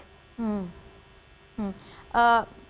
pak dedy mungkin bisa disampaikan sekarang